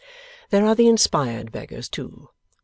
There are the inspired beggars, too.